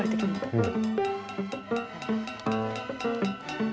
うん。